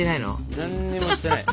何にもしてない。